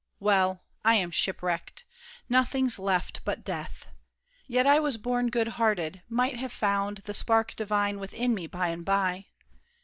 Well! I am shipwrecked! Nothing's left but death. Yet I was born good hearted: might have found The spark divine within me by and by.